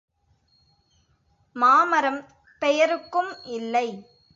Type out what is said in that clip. மாமரம் பெயருக்கும் இல்லை.